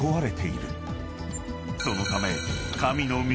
［そのため］